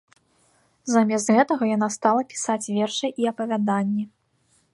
Замест гэтага яна стала пісаць вершы і апавяданні.